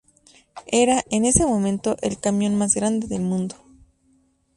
Era, en ese momento, el camión más grande del mundo.